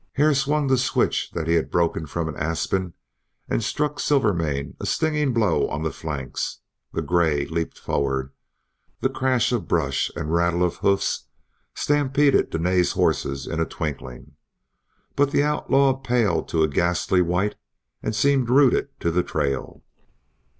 Hare swung the switch he had broken from an aspen and struck Silvermane a stinging blow on the flanks. The gray leaped forward. The crash of brush and rattle of hoofs stampeded Dene's horses in a twinkling. But the outlaw paled to a ghastly white and seemed rooted to the trail.